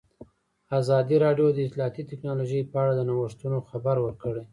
ازادي راډیو د اطلاعاتی تکنالوژي په اړه د نوښتونو خبر ورکړی.